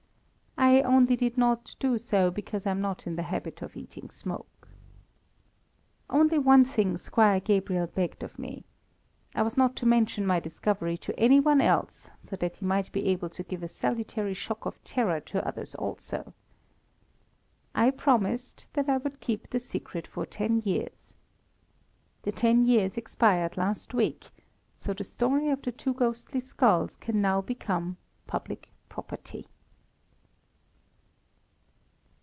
I only did not do so because I am not in the habit of eating smoke. Only one thing Squire Gabriel begged of me. I was not to mention my discovery to any one else, so that he might be able to give a salutary shock of terror to others also. I promised that I would keep the secret for ten years. The ten years expired last week, so the story of the two ghostly skulls can now become public property.